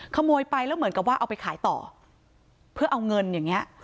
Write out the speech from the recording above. ขโมยไปแล้วเหมือนกับว่าเอาไปขายต่อเพื่อเอาเงินอย่างนี้